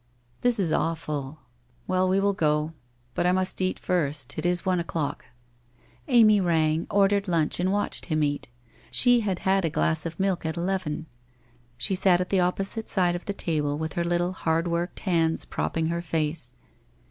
' This is awful. Well, we will go. But I must eat first. It is one o'clock.' Amy rang, ordered lunch, and watched him eat. She had had a glass of milk at eleven. She sat at the opposite side of the table with her little hardworked hands prop ping her face.